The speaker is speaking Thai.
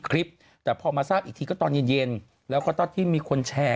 คลิปแต่พอมาทราบอีกทีก็ตอนเย็นเย็นแล้วก็ตอนที่มีคนแชร์